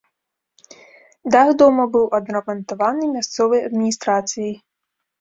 Дах дома быў адрамантаваны мясцовай адміністрацыяй.